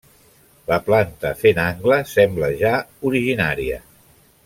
La planta fent angle sembla ja originària.